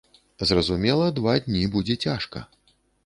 Зразумела, два дні будзе цяжка.